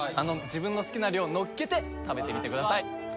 自分の好きな量のっけて食べてみてください